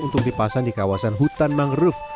untuk dipasang di kawasan hutan mangrove